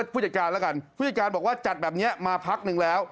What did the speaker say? ผู้จัดการบอกว่าจัดแบบนี้มาพักหนึ่งแล้ว